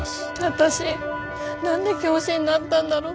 私何で教師になったんだろう。